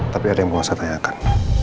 tapi ada yang mau saya tanyakan